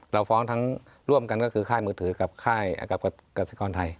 เราฟ้องทั้งร่วมกันก็คือค่ายมือถือกับค่ายกับกษิกรไทย